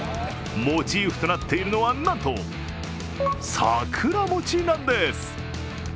モチーフとなっているのはなんと桜餅なんです。